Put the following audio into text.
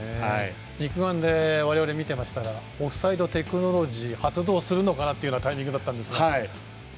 肉眼で我々見ていましたがオフサイドテクノロジー発動するのかなというタイミングでしたが。